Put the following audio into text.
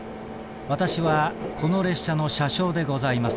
わたしはこの列車の車掌でございます。